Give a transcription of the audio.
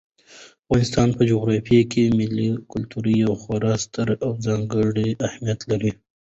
د افغانستان په جغرافیه کې ملي کلتور یو خورا ستر او ځانګړی اهمیت لري.